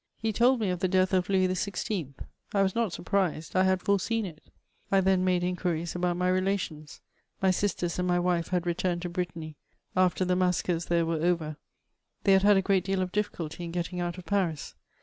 He told me of the death of Louis XYL I was not surprised, I had foreseen it. I then made inqoixica about my relations ; my asters and my wife had returned to Brittany, af^ the massacres there were over ; they had had a great deal of difficulty in getting out of Fazis.